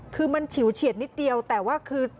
คือมันฉิวเฉียดนิดเดียวแต่ว่าคือ